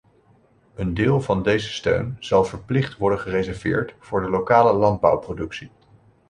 Een deel van deze steun zal verplicht worden gereserveerd voor de lokale landbouwproductie.